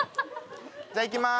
じゃあいきまーす。